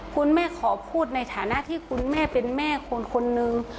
คุณแม่ขอพูดในฐานะที่คุณแม่เป็นแม่คนคนนึง